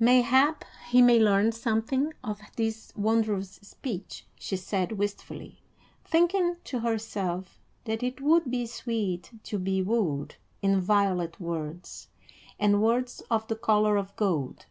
"Mayhap he may learn something of this wondrous speech," she said wistfully, thinking to herself that it would be sweet to be wooed in violet words and words of the color of gold.